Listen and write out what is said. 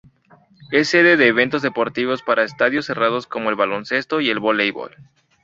Es sede de eventos deportivos para estadios cerrados como el baloncesto y el voleibol.